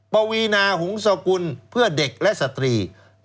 ปวีนาหงศกุลเพื่อเด็กและสตรี